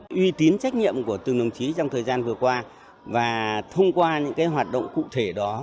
từ đó là uy tín trách nhiệm của từng đồng chí trong thời gian vừa qua và thông qua những hoạt động cụ thể đó